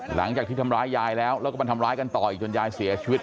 หลังจากที่ทำร้ายยายแล้วแล้วก็มาทำร้ายกันต่ออีกจนยายเสียชีวิต